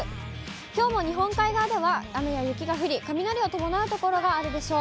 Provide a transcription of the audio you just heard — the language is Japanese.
きょうも日本海側では雨や雪が降り、雷を伴う所があるでしょう。